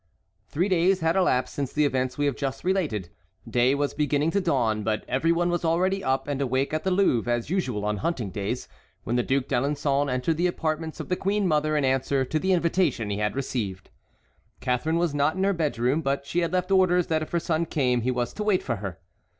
Three days had elapsed since the events we have just related. Day was beginning to dawn, but every one was already up and awake at the Louvre as usual on hunting days, when the Duc d'Alençon entered the apartments of the queen mother in answer to the invitation he had received. Catharine was not in her bedroom; but she had left orders that if her son came he was to wait for her.